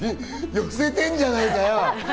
寄せてんじゃないかよ！